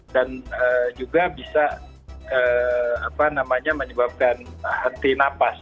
dan juga bisa apa namanya menyebabkan henti nafas